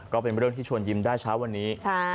ก็เป็นเรื่องที่ชวนยิ้มได้เช้าวันนี้